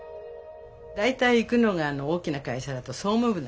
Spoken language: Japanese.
大体行くのが大きな会社だと総務部なんですよね。